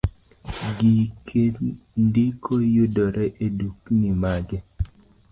Gige ndiko yudore edukni mage